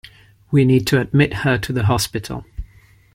We need to admit her to the hospital.